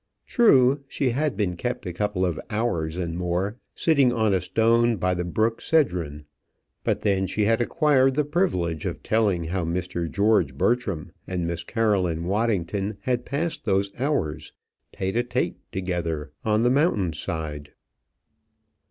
True, she had been kept a couple of hours and more sitting on a stone by the brook Cedron; but then she had acquired the privilege of telling how Mr. George Bertram and Miss Caroline Waddington had passed those hours, tête à tête together, on the mountain side.